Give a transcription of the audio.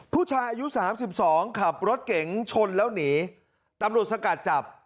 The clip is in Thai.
ผู้ชายอายุสามสิบสองขับรถเก๋งชนแล้วหนีตำรวจสกัดจับ